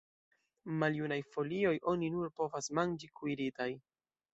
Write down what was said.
Maljunaj folioj oni nur povas manĝi kuiritaj.